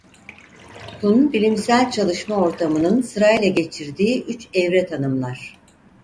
Kuhn bilimsel çalışma ortamının sırayla geçirdiği üç evre tanımlar.